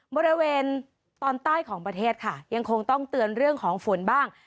บริเวณตอนใต้ของประเทศค่ะยังคงต้องเตือนเรื่องของฝนบ้าง